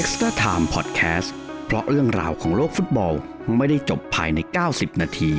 สวัสดีครับสวัสดีครับ